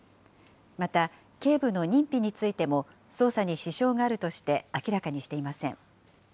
また、警部の認否についても、捜査に支障があるとして明らかにしていません。